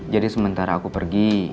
jadi sementara aku pergi